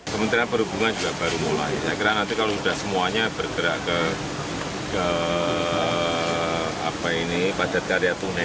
kementerian perhubungan juga baru mulai saya kira nanti kalau sudah semuanya bergerak ke padat karya tunai